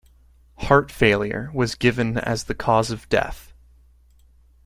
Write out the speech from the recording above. Heart failure was given as the cause of death.